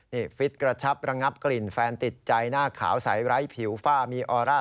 นี่ฟิตกระชับระงับกลิ่นแฟนติดใจหน้าขาวใสไร้ผิวฝ้ามีออร่า